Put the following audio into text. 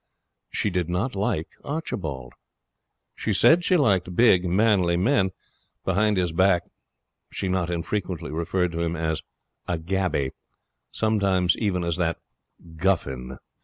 She did not like Archibald. She said she liked big, manly men. Behind his back she not infrequently referred to him as a 'gaby'; sometimes even as that 'guffin'.